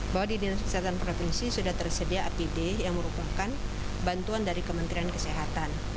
bahwa di dinas kesehatan provinsi sudah tersedia apd yang merupakan bantuan dari kementerian kesehatan